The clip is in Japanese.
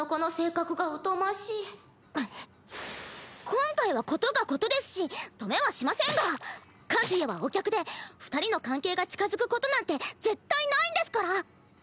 今回は事が事ですし止めはしませんが和也はお客で二人の関係が近づくことなんて絶対ないんですから！